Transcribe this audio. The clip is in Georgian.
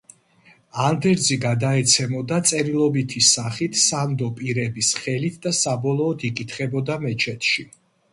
ანდერძი გადაეცემოდა წერილობითი სახით სანდო პირების ხელით და საბოლოოდ იკითხებოდა მეჩეთში.